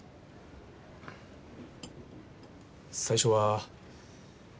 最初は。